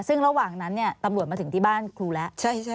ซึ่งระหว่างนั้นตำรวจมาถึงที่บ้านครูแล้ว